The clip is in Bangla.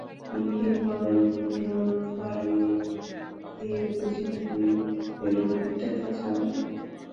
নিখিল বলে, বিরোধ বাড়িয়ে দিয়ে বুঝি তুমি বিরোধ মেটাতে চাও?